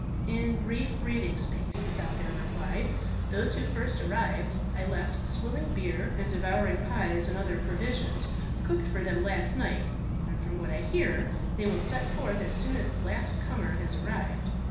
"In brief breathing space," the falconer replied. "Those who first arrived I left swilling beer, and devouring pies and other provisions cooked for them last night, and from what I hear, they will set forth as soon as the last comer has arrived.